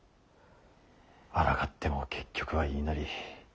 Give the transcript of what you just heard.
あらがっても結局は言いなり。